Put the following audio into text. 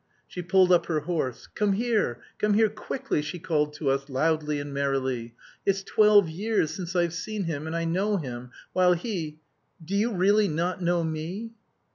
She pulled up her horse. "Come here, come here quickly!" she called to us, loudly and merrily. "It's twelve years since I've seen him, and I know him, while he.... Do you really not know me?"